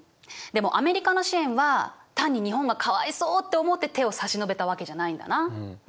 でもアメリカの支援は単に日本がかわいそうって思って手を差し伸べたわけじゃないんだな。